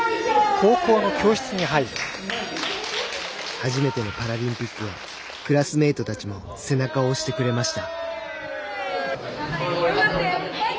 初めてのパラリンピックはクラスメートたちも背中を押してくれました。